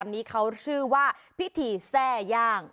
อันนี้เขาชื่อว่าพิธีแทร่ย่าง